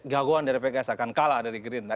gaguan dari pks akan kalah dari gerindra